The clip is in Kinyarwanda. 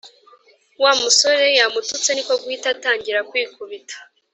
wamusore yamututse niko guhita atangira kwikubita